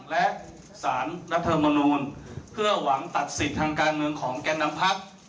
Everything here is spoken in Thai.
และสารรัฐมนูลเพื่อหวังตัดสิทธิ์ทางการเมืองของแก่นำพัก